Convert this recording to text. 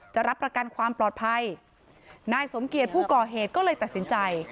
รับประกันความปลอดภัยนายสมเกียจผู้ก่อเหตุก็เลยตัดสินใจ